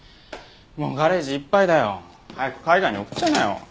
もうガレージいっぱいだよ。早く海外に送っちゃいなよ。